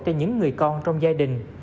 cho những người con trong gia đình